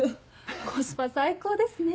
コスパ最高ですね。